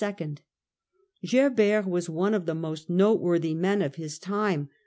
Gerbert was one of the most noteworthy men of his time.